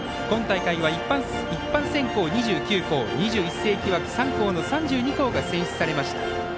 今大会は、一般選考２９校２１世紀枠３校の３２校が選出されました。